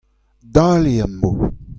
Dale am bo.